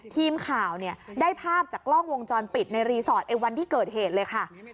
ทีมข่าวเนี่ยได้ภาพจากกล้องวงจรปิดในรีสอร์ทในวันที่เกิดเหตุเลยค่ะ